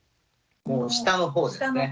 もう下のほうですね。